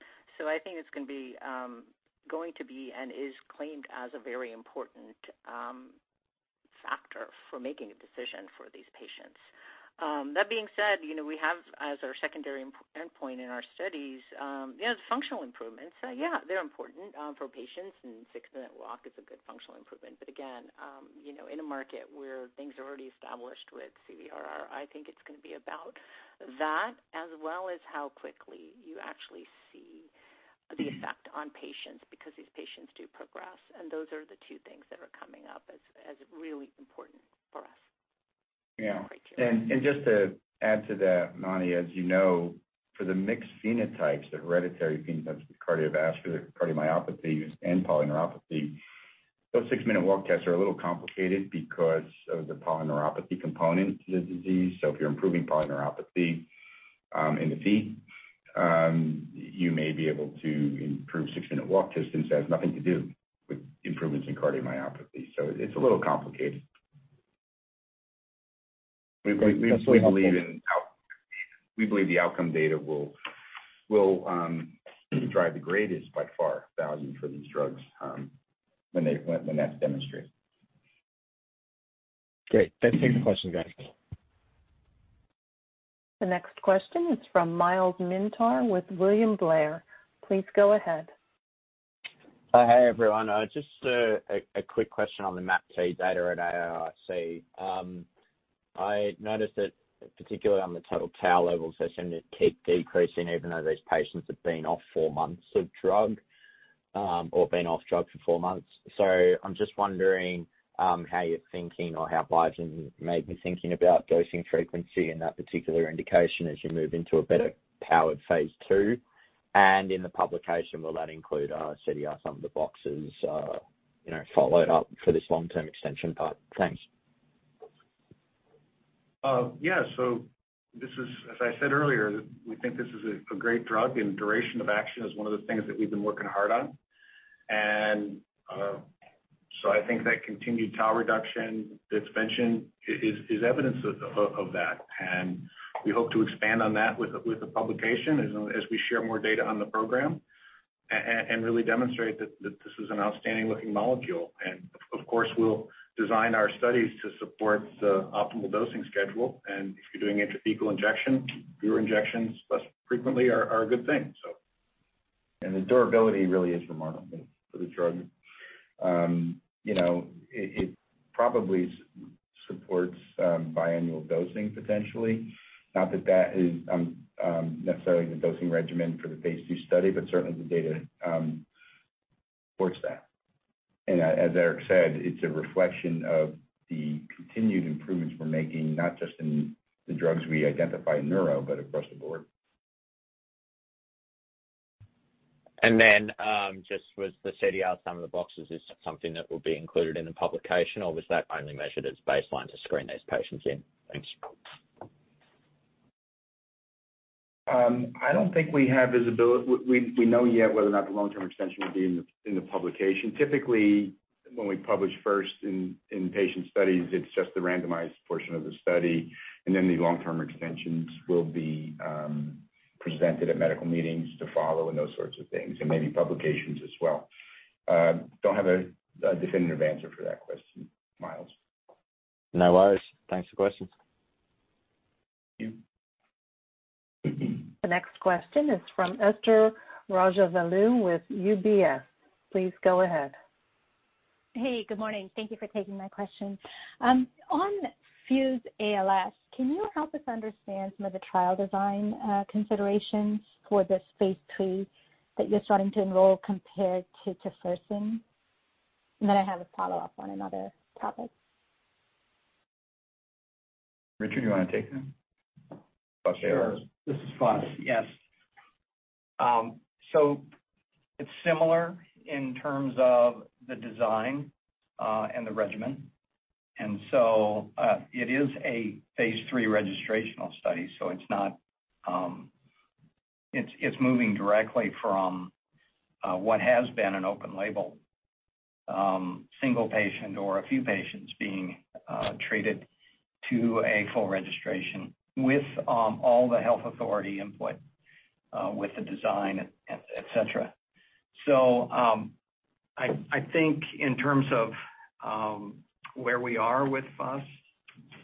I think it's going to be and is claimed as a very important factor for making a decision for these patients. That being said, we have as our secondary endpoint in our studies, the functional improvements. Yeah, they're important for patients, and 6-minute walk is a good functional improvement. Again, in a market where things are already established with CVRR, I think it's going to be about that as well as how quickly you actually see the effect on patients, because these patients do progress, and those are the two things that are coming up as really important for us. Yeah. In our criteria. Just to add to that, Mani, as you know, for the mixed phenotypes, the hereditary phenotypes with cardiovascular cardiomyopathy and polyneuropathy, those six-minute walk tests are a little complicated because of the polyneuropathy component to the disease. If you're improving polyneuropathy in the feet, you may be able to improve six-minute walk distance that has nothing to do with improvements in cardiomyopathy. It's a little complicated. We believe the outcome data will drive the greatest, by far, value for these drugs when that's demonstrated. Great. That takes the questions, guys. The next question is from Myles Minter with William Blair. Please go ahead. Hi, everyone. Just a quick question on the MAPT data at AAIC. I noticed that particularly on the total tau levels, they seem to keep decreasing even though these patients have been off four months of drug, or have been off drugs for four months. I'm just wondering how you're thinking or how Biogen may be thinking about dosing frequency in that particular indication as you move into a better powered phase II. In the publication, will that include CDR-SB, sum of the boxes followed up for this long-term extension part? Thanks. Yes. As I said earlier, we think this is a great drug, and duration of action is one of the things that we've been working hard on. I think that continued tau reduction that's mentioned is evidence of that. We hope to expand on that with the publication as we share more data on the program and really demonstrate that this is an outstanding looking molecule. Of course, we'll design our studies to support the optimal dosing schedule. If you're doing intrathecal injection, fewer injections less frequently are a good thing. The durability really is remarkable for the drug. It probably supports biannual dosing potentially. Not that is necessarily the dosing regimen for the phase II study, but certainly the data supports that. As Eric said, it's a reflection of the continued improvements we're making, not just in the drugs we identify in neuro, but across the board. Just with the CDR-SB, sum of the boxes, is this something that will be included in the publication, or was that only measured as baseline to screen those patients in? Thanks. I don't think we know yet whether or not the long-term extension will be in the publication. Typically, when we publish first in patient studies, it's just the randomized portion of the study. The long-term extensions will be presented at medical meetings to follow and those sorts of things, and maybe publications as well. Don't have a definitive answer for that question, Myles. No worries. Thanks for answering. Thank you. The next question is from Esther Rajavelu with UBS. Please go ahead. Hey, good morning. Thank you for taking my question. On FUS ALS, can you help us understand some of the trial design considerations for this phase III that you're starting to enroll compared to tofersen? I have a follow-up on another topic. Richard, do you want to take that? Or should I? Sure. This is FUS. Yes. It's similar in terms of the design and the regimen. It is a phase III registrational study, so it's moving directly from what has been an open label, single patient or a few patients being treated to a full registration with all the health authority input with the design, et cetera. I think in terms of where we are with FUS,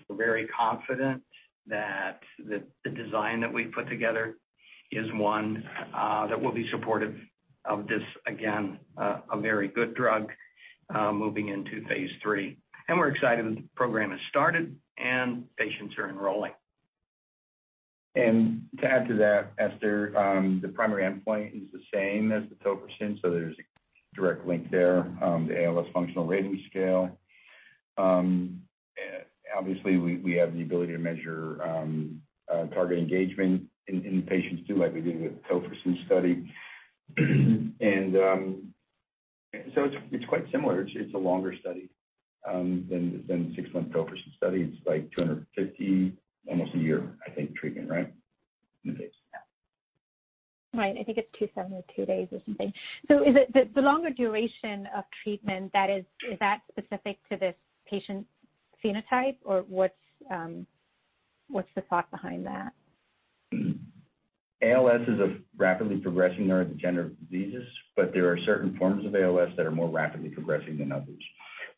we're very confident that the design that we've put together is one that will be supportive of this, again, a very good drug moving into phase III. We're excited that the program has started and patients are enrolling. To add to that, Esther, the primary endpoint is the same as the tofersen, so there's a direct link there. The ALS functional rating scale. Obviously, we have the ability to measure target engagement in patients too, like we did with tofersen study. It's quite similar. It's a longer study than the six-month tofersen study. It's like 250, almost a year, I think, treatment, right? Right. I think it's 272 days or something. The longer duration of treatment, is that specific to this patient phenotype, or what's the thought behind that? ALS is a rapidly progressing neurodegenerative disease. There are certain forms of ALS that are more rapidly progressing than others.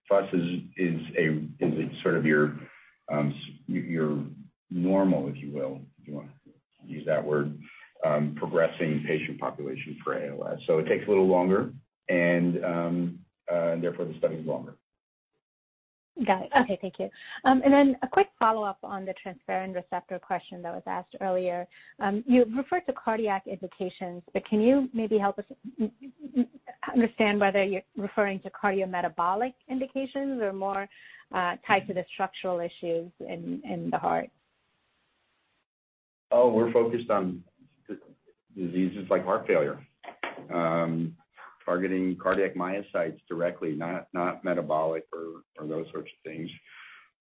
FUS is sort of your normal, if you will, if you want to use that word, progressing patient population for ALS. It takes a little longer, and therefore the study is longer. Got it. Okay. Thank you. Then a quick follow-up on the transferrin receptor question that was asked earlier. You referred to cardiac indications, but can you maybe help us understand whether you're referring to cardiometabolic indications or more tied to the structural issues in the heart? We're focused on diseases like heart failure. Targeting cardiac myocytes directly, not metabolic or those sorts of things.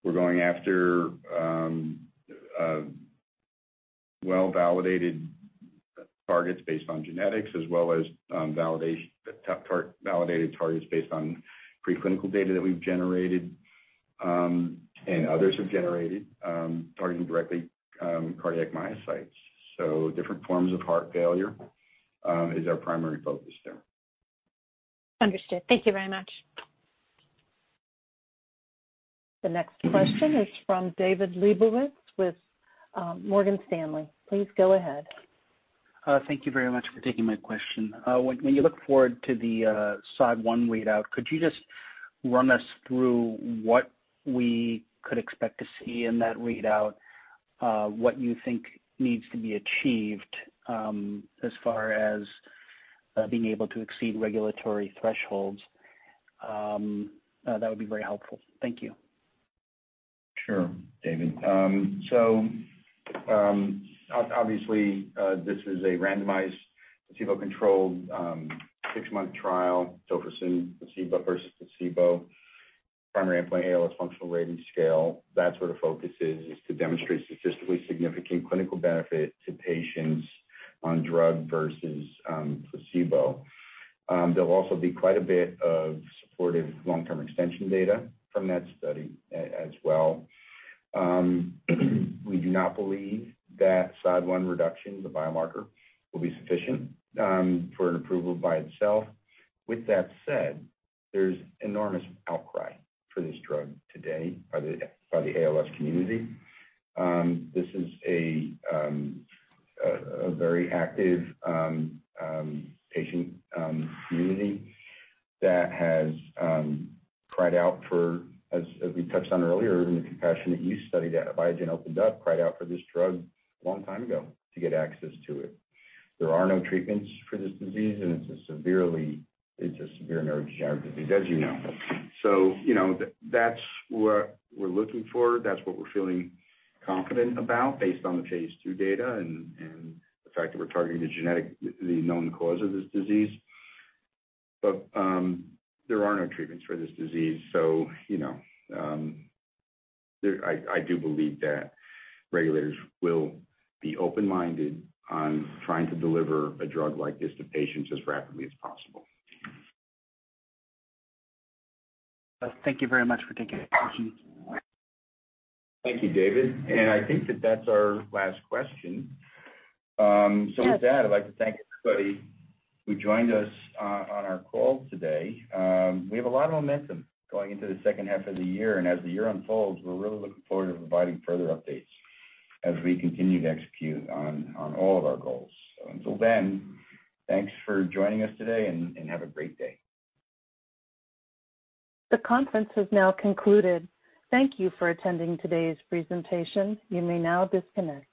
We're going after well-validated targets based on genetics as well as validated targets based on pre-clinical data that we've generated and others have generated, targeting directly cardiac myocytes. Different forms of heart failure is our primary focus there. Understood. Thank you very much. The next question is from David Lebowitz with Morgan Stanley. Please go ahead. Thank you very much for taking my question. When you look forward to the phase I readout, could you just run us through what we could expect to see in that readout? What you think needs to be achieved as far as being able to exceed regulatory thresholds? That would be very helpful. Thank you. Sure, David. Obviously, this is a randomized, placebo-controlled, six-month trial, tofersen placebo versus placebo. Primary endpoint, ALS Functional Rating Scale. That's where the focus is to demonstrate statistically significant clinical benefit to patients on drug versus placebo. There'll also be quite a bit of supportive long-term extension data from that study as well. We do not believe that SOD1 reduction, the biomarker, will be sufficient for an approval by itself. With that said, there's enormous outcry for this drug today by the ALS community. This is a very active patient community that has cried out for, as we touched on earlier in the compassionate use study that Biogen opened up, cried out for this drug a long time ago to get access to it. There are no treatments for this disease, and it's a severe neurodegenerative disease, as you know. That's what we're looking for. That's what we're feeling confident about based on the phase II data and the fact that we're targeting the known cause of this disease. There are no treatments for this disease, so I do believe that regulators will be open-minded on trying to deliver a drug like this to patients as rapidly as possible. Thank you very much for taking the question. Thank you, David. I think that that's our last question. With that, I'd like to thank everybody who joined us on our call today. We have a lot of momentum going into the second half of the year, and as the year unfolds, we're really looking forward to providing further updates as we continue to execute on all of our goals. Until then, thanks for joining us today, and have a great day. The conference has now concluded. Thank you for attending today's presentation. You may now disconnect.